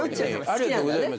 ありがとうございます。